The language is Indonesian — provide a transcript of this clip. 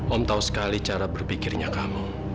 om tahu sekali cara berpikirnya kamu